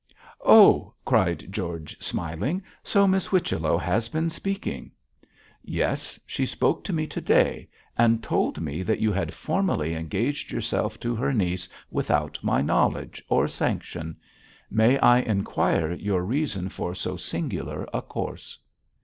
'Oh!' cried George, smiling, 'so Miss Whichello has been speaking!' 'Yes, she spoke to me to day, and told me that you had formally engaged yourself to her niece without my knowledge or sanction. May I inquire your reason for so singular a course?'